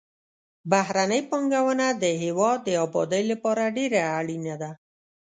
بهرنۍ پانګونه د هېواد د آبادۍ لپاره ډېره اړینه ده.